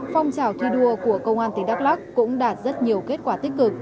phong trào thi đua của công an tỉnh đắk lắc cũng đạt rất nhiều kết quả tích cực